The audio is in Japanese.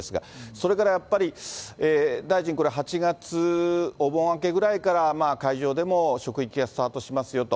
それからやっぱり、大臣、これ、８月お盆明けくらいから会場でも職域がスタートしますよと。